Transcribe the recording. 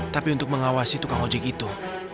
tapi untuk mengawasi tukang ojek itu